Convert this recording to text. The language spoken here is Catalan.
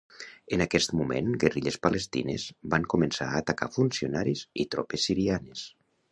En aquest moment guerrilles palestines van començar a atacar funcionaris i tropes sirianes.